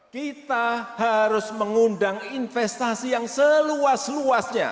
kita harus mengundang investasi yang seluas luasnya